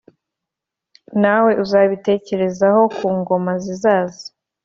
nawe uzabitecyerezwaho ku ngoma zizaza.”